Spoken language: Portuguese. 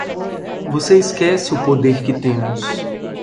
Você esquece o poder que temos.